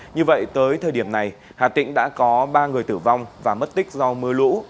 như vậy tới thời điểm này hà tĩnh đã có ba người tử vong và mất tích do mưa lũ